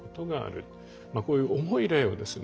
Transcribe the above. こういう重い例をですね